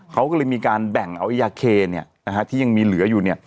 เขาก็เลยมีการแบ่งเอายาเคที่ยังมีเหลืออยู่เนี่ย